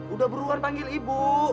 udah beruan panggil ibu